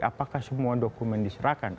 apakah semua dokumen diserahkan